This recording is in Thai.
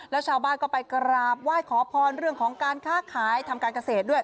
แล้วชาวบ้านก็ไปกราบไหว้ขอพรเรื่องของการค้าขายทำการเกษตรด้วย